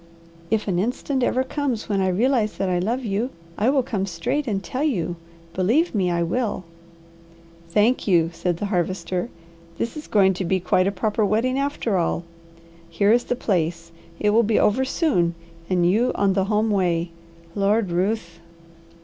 "If an instant ever comes when I realize that I love you, I will come straight and tell you; believe me, I will." "Thank you!" said the Harvester. "This is going to be quite a proper wedding after all. Here is the place. It will be over soon and you on the home way. Lord, Ruth